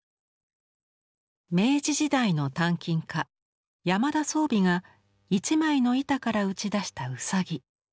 明治時代の鍛金家山田宗美が一枚の板から打ち出したウサギ。